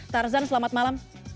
tarzan selamat malam